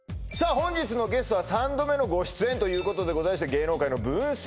本日のゲストは３度目のご出演ということでございまして芸能界の分析